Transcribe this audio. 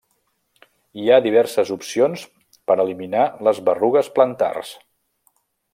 Hi ha diverses opcions per eliminar les berrugues plantars.